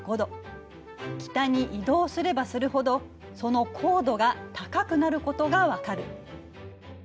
北に移動すればするほどその高度が高くなることがわかる。